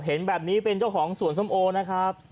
เห็นแบบนี้เป็นเจ้าของสวนส้มโอนะครับ